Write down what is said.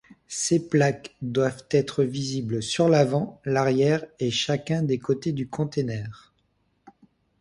Ces plaques doivent être visibles sur l'avant, l'arrière et chacun des côtés du conteneur.